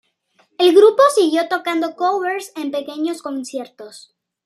El grupo siguió tocando covers en pequeños conciertos.